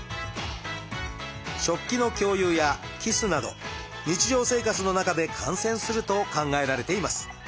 食器の共有やキスなど日常生活の中で感染すると考えられています。